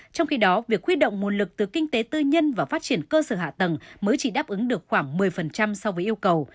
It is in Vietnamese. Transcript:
trong khi đó việc khuy động nguồn lực từ kinh tế tư nhân và phát triển cơ sở hạ tầng mới chỉ đáp ứng được khoảng một mươi so với yêu cầu